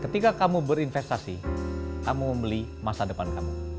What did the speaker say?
ketika kamu berinvestasi kamu membeli masa depan kamu